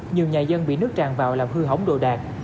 nhiều nhà dân bị nước tràn vào làm hư hỏng đồ đạc